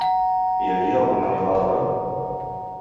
Hi havia algun animal a prop?